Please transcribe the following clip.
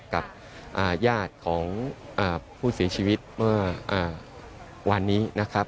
กับญาติของผู้เสียชีวิตเมื่อวานนี้นะครับ